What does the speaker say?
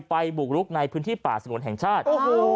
บุกลุกในพื้นที่ป่าสงวนแห่งชาติ